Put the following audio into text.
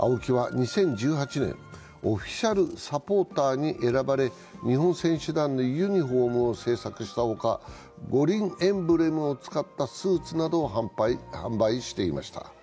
ＡＯＫＩは２０１８年、オフィシャルサポーターに選ばれ、日本選手団のユニフォームを制作したほか、五輪エンブレムを使ったスーツなどを販売していました。